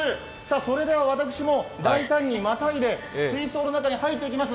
それでは私も大胆にまたいで水槽の中に入っていきます。